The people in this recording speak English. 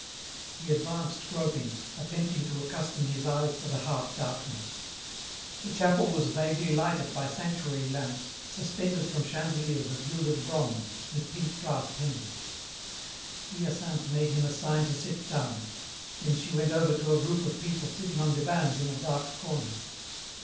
He advanced groping, attempting to accustom his eyes to the half darkness. The chapel was vaguely lighted by sanctuary lamps suspended from chandeliers of gilded bronze with pink glass pendants. Hyacinthe made him a sign to sit down, then she went over to a group of people sitting on divans in a dark corner.